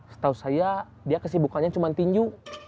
setahu saya dia kesibukannya cuma tinju